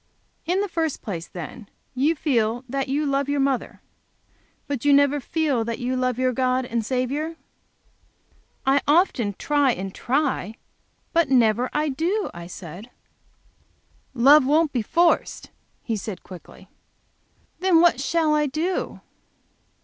"In the first place, then, you feel that you love your mother? But you never feel that you love your God and Saviour?" "I often try, and try, but I never do," I said. "Love won't be forced," he said, quickly. "Then what shall I do?"